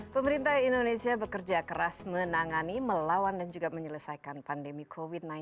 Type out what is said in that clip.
pemerintah indonesia bekerja keras menangani melawan dan juga menyelesaikan pandemi covid sembilan belas